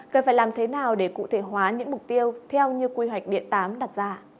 cần phải làm thế nào để cụ thể hóa những mục tiêu theo như quy hoạch điện tám đặt ra